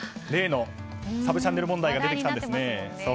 例のサブチャンネル問題が出てきたんですね。